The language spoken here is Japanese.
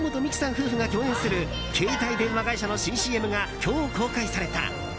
夫婦が共演する携帯会社の新ＣＭが今日、公開された。